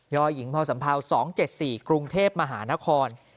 ยหญิงพสัมภาว๒๗๔กรุงเทพฯมหานคร